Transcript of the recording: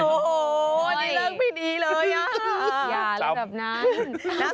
โน๊ตนี่เรื่องผิดดีเลยมาก